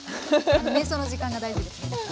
瞑想の時間が大事です。